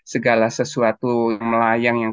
segala sesuatu melayang yang